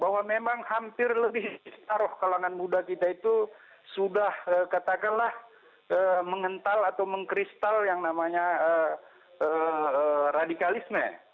bahwa memang hampir lebih taruh kalangan muda kita itu sudah katakanlah mengental atau mengkristal yang namanya radikalisme